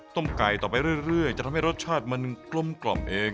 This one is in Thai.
ไก่ต่อไปเรื่อยจะทำให้รสชาติมันกลมเอง